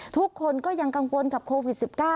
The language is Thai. ทุกคนก็ยังกังวลกับโควิด๑๙